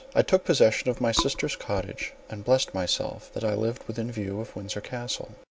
I took possession of my sister's cottage, and blessed myself that I lived within view of Windsor Castle.